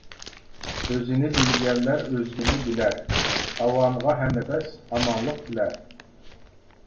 ئۆزىنى بىلگەنلەر ئۆزگىنى بىلەر، ئاۋامغا ھەمنەپەس، ئامانلىق تىلەر.